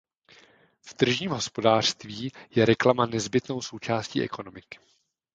V tržním hospodářství je reklama nezbytnou součástí ekonomiky.